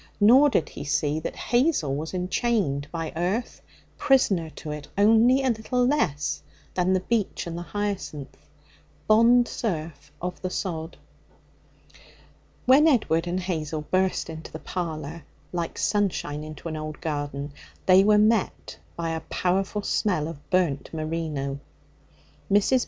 Nor did he see that Hazel was enchained by earth, prisoner to it only a little less than the beech and the hyacinth bond serf of the sod. When Edward and Hazel burst into the parlour, like sunshine into an old garden, they were met by a powerful smell of burnt merino. Mrs.